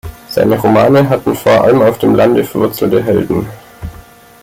Seine Romane hatten vor allem auf dem Lande verwurzelte Helden.